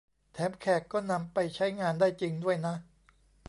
แถมแขกก็นำไปใช้งานได้จริงด้วยนะ